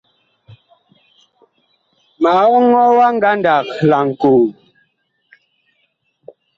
Ma ɔŋɔɔ ngandag wa laŋkoo.